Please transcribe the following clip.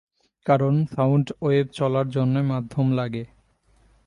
কারণ sound wave চলার জন্যে মাধ্যম লাগে।